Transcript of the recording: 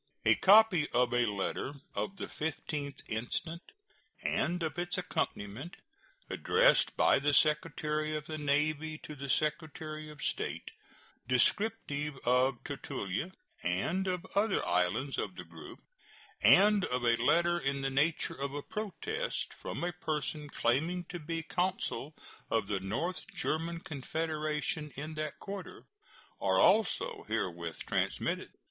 A copy of a letter of the 15th instant, and of its accompaniment, addressed by the Secretary of the Navy to the Secretary of State, descriptive of Tutuila and of other islands of the group, and of a letter in the nature of a protest from a person claiming to be consul of the North German Confederation in that quarter, are also herewith transmitted.